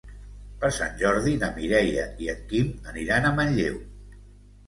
Per Sant Jordi na Mireia i en Quim aniran a Manlleu.